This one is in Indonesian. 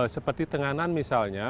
seperti tenganan misalnya